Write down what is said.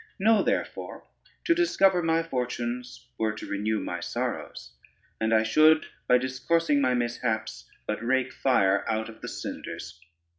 Know, therefore, to discover my fortunes were to renew my sorrows, and I should, by discoursing my mishaps, but rake fire out of the cinders.